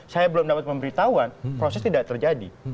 saya belum dapat pemberitahuan proses tidak terjadi